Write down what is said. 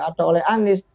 atau oleh anies